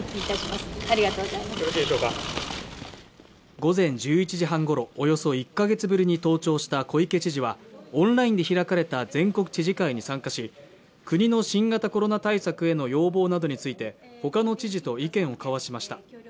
午前１１時半ごろおよそ１カ月ぶりに登庁した小池知事はオンラインで開かれた全国知事会に参加し、国の新型コロナ対策への要望などについて他の知事と意見を交わしました。